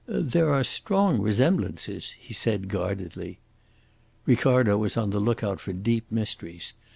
"There are strong resemblances," he said guardedly. Ricardo was on the look out for deep mysteries.